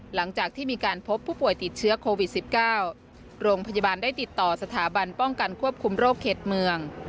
หลังจากที่มีการพบผู้ป่วยติดเชื้อโควิด๑๙โรงพยาบาลได้ติดต่อสถาบันป้องกันควบคุมโรคเขตเมือง